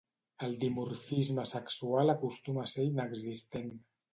El dimorfisme sexual acostuma a ser inexistent.